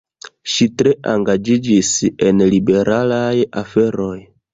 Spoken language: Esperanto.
Ŝi tre engaĝiĝis en liberalaj aferoj.